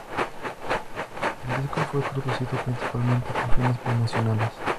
El disco fue producido principalmente por fines promocionales.